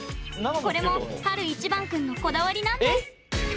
これも晴いちばん君のこだわりなんです。